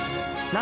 何？